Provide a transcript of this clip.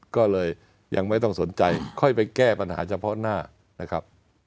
ก็เลยยังไม่ต้องสนใจค่อยไปแก้ปัญหาเฉพาะหน้านะครับ